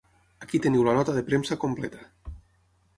Aquí teniu la nota de premsa completa.